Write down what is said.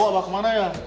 tidak tahu abah kemana ya